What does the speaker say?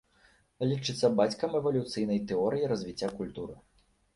Лічыцца бацькам эвалюцыйнай тэорыі развіцця культуры.